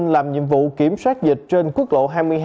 làm nhiệm vụ kiểm soát dịch trên quốc lộ hai mươi hai